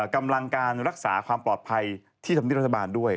กำลังการรักษาความปลอดภัยที่ธรรมเนียบรัฐบาลด้วย